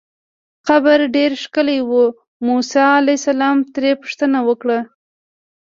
قبر ډېر ښکلی و، موسی علیه السلام ترې پوښتنه وکړه.